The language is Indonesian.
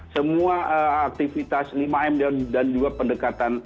semua aktivitas lima m dan juga pendekatan